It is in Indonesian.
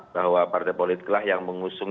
bahwa partai politiklah yang mengusung